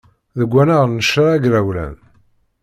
Deg wannar n ccna agrawlan.